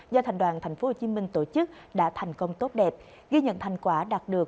do thành đoàn tp hcm tổ chức đã thành công tốt đẹp ghi nhận thành quả đạt được